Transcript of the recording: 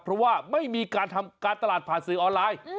เพราะว่าไม่มีการทำการตลาดผ่านสื่อออนไลน์